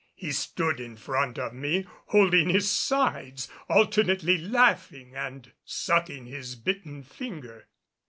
He stood in front of me holding his sides, alternately laughing and sucking his bitten finger.